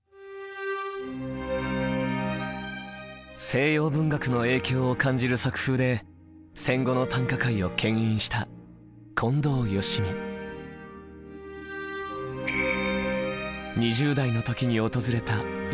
西洋文学の影響を感じる作風で戦後の短歌界をけん引した２０代の時に訪れた異国の地。